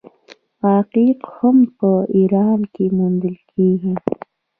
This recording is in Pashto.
عقیق هم په ایران کې موندل کیږي.